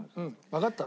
わかった。